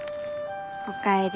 おかえり。